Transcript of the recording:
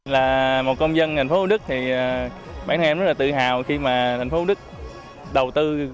là một công dân thành phố thủ đức thì bản thân rất là tự hào khi mà thành phố thủ đức đầu tư